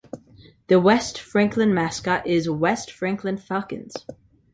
The West Franklin mascot is West Franklin Falcons.